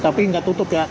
tapi gak tutup ya